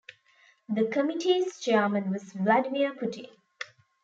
The committee's chairman was Vladimir Putin.